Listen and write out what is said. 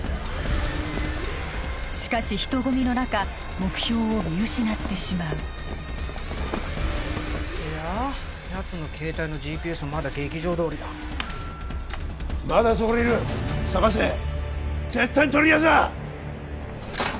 しかし人混みの中目標を見失ってしまういややつの携帯のＧＰＳはまだ劇場通りだまだそこにいる捜せ絶対に取り逃がすな！